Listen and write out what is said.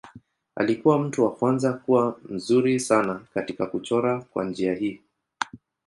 Alikuwa mtu wa kwanza kuwa mzuri sana katika kuchora kwa njia hii.